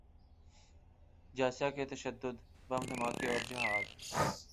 جیسا کہ تشدد، بم دھماکے اورجہاد۔